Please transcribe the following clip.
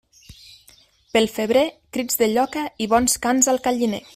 Pel febrer, crits de lloca i bons cants al galliner.